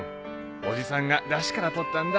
おじさんがだしから取ったんだ。